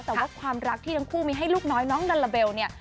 แต่ว่าความรักที่ทั้งคู่มีให้ลูกน้อยน้องดัลลาเบลเนี่ย